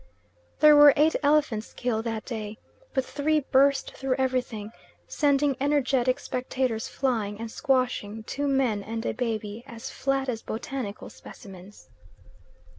There were eight elephants killed that day, but three burst through everything, sending energetic spectators flying, and squashing two men and a baby as flat as botanical specimens.